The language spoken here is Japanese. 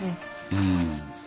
うん。